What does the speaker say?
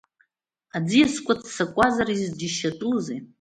Аӡиасқәа ццакуазар, изџьашьатәузеи…